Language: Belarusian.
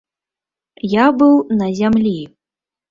Я быў на зямлі.